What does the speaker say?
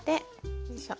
よいしょ。